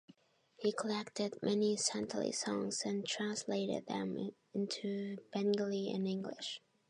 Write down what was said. He collected many Santali songs and translated them into Bengali and English.